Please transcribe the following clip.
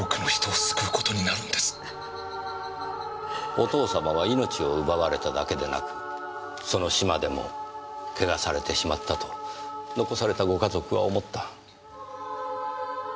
お父様は命を奪われただけでなくその死までも汚されてしまったと残されたご家族は思った。